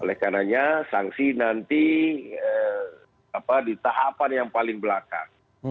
oleh karenanya sanksi nanti di tahapan yang paling belakang